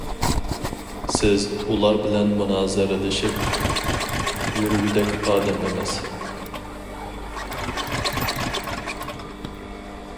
سىز ئۇلار بىلەن مۇنازىرىلىشىپ يۈرگۈدەك ئادەم ئەمەس.